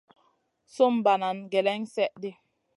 Sùm banana gèlèn slèʼɗi.